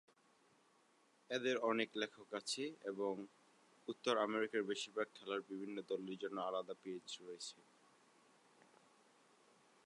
এদের অনেক লেখক আছে এবং উত্তর আমেরিকার বেশিরভাগ খেলার বিভিন্ন দলের জন্য আলাদা পেজ রয়েছে।